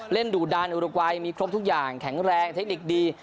ดุดันอุรกวัยมีครบทุกอย่างแข็งแรงเทคนิคดี